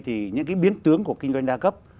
thì những cái biến tướng của kinh doanh đa cấp